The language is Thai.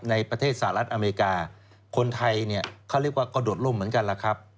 ในประเทศสหรัฐอเมริกาคนไทยเขาเรียกว่าก็โดดล่มเหมือนกัน